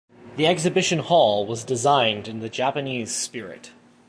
The exhibition hall was designed in the Japanese spirit.